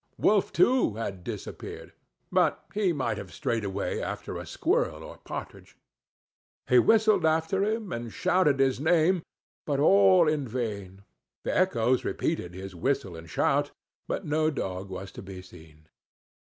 Wolf, too, had disappeared, but he might have strayed away after a squirrel or partridge. He whistled after him and shouted his name, but all in vain; the echoes repeated his whistle and shout, but no dog was to be seen.